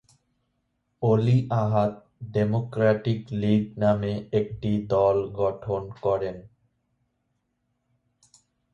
অলি Ahad democratic league নামে একটি দল গঠন করেন।